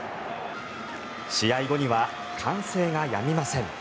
試合後には歓声がやみません。